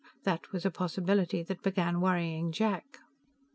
That was a possibility that began worrying Jack.